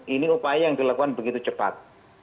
ini upaya yang dilakukan begitu cepat